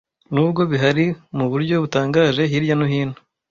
Nubwo bihari muburyo butangaje, hirya no hino.